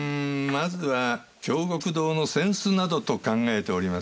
まずは京極堂の扇子などと考えておりますが。